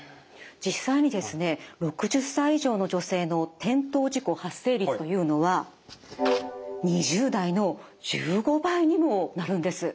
実際にですね６０歳以上の女性の転倒事故発生率というのは。にもなるんです。